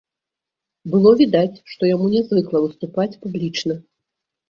Было відаць, што яму нязвыкла выступаць публічна.